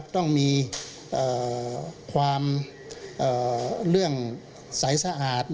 ต้องมีความเรื่องใสสะอาด